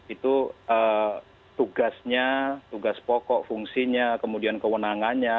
itu tugasnya tugas pokok fungsinya kemudian kewenangannya